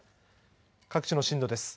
各地の震度です。